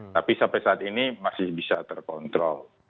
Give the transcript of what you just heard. tapi sampai saat ini masih bisa terkontrol